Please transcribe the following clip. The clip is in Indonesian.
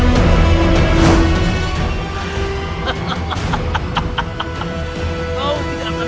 kau akan menjadi yang mata korbannya